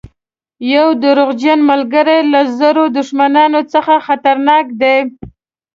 یو دروغجن ملګری له زرو دښمنانو څخه خطرناک دی.